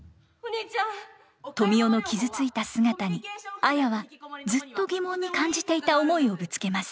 トミオの傷ついた姿に綾はずっと疑問に感じていた思いをぶつけます。